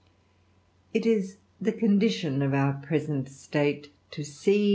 It is the condition of our present state THE RAMBLER.